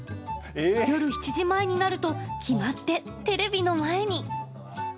夜７時前になると、決まって、テレビの前に。